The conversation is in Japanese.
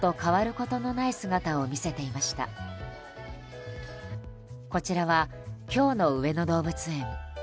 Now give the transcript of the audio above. こちらは、今日の上野動物園。